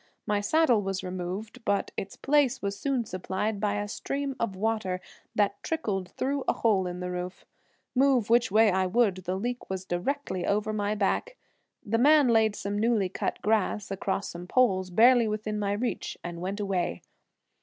My saddle was removed, but its place was soon supplied by a stream of water that trickled through a hole in the roof. Move which way I would, a leak was directly over my back. The man laid some newly cut grass across some poles, barely within my reach, and went away.